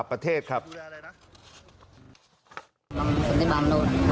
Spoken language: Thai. สัตยาบาลโน่น